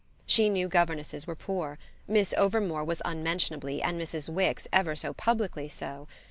She knew governesses were poor; Miss Overmore was unmentionably and Mrs. Wix ever so publicly so.